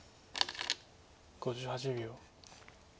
５８秒。